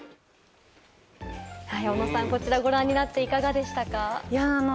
おのさん、こちらご覧になっていかがでしたか？